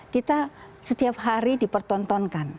kita setiap hari dipertontonkan